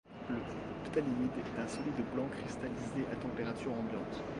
Le phtalimide est un solide blanc cristallisé à température ambiante.